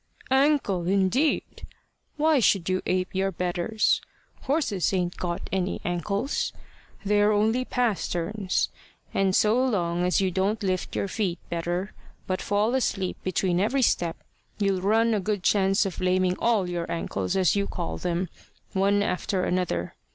"Ankle indeed! Why should you ape your betters? Horses ain't got any ankles: they're only pasterns. And so long as you don't lift your feet better, but fall asleep between every step, you'll run a good chance of laming all your ankles as you call them, one after another.